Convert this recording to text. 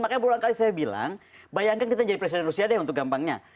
makanya berulang kali saya bilang bayangkan kita jadi presiden rusia deh untuk gampangnya